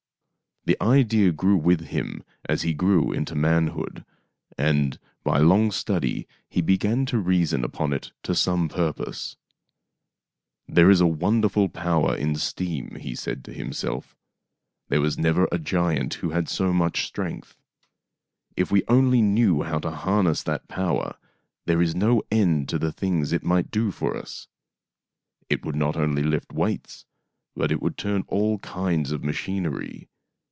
The idea grew with him as he grew into manhood, and by long study he began to reason upon it to some purpose. " There is a wonderful power in steam," he said to himself. " There was never a giant who had so much strength. If we only knew how to harness that power, there is no end to the things it might JAMES WATT AND THE TEAKETTLE 53 do for US. It would not only lift weights, but it would turn all kinds of machinery.